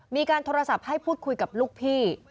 มีการโทรศัพท์ให้พูดคุยกับลูกพี่